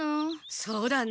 そうだね。